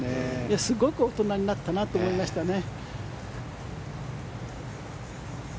すごく大人になったなと思いましたね。